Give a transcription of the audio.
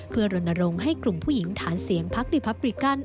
เพื่อรณรงค์ให้กลุ่มผู้หญิงฐานเสียงพักดิพับริกัน